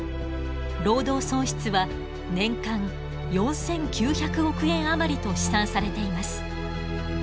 労働損失は年間４，９００億円余りと試算されています。